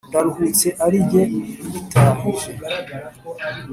ndaruhutse ari jye uyitahije.